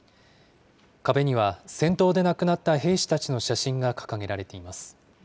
壁には戦闘で亡くなった兵士たちの写真が掲げられています。